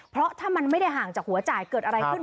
เพราะถ้ามันไม่ได้ห่างจากหัวจ่ายเกิดอะไรขึ้น